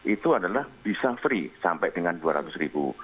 itu adalah bisa free sampai dengan dua ratus ribu